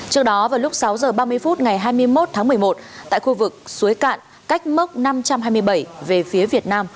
trước đó vào lúc sáu h ba mươi phút ngày hai mươi một tháng một mươi một tại khu vực suối cạn cách mốc năm trăm hai mươi bảy về phía việt nam